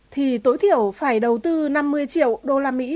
thì tối thiểu phải đầu tư năm mươi triệu usd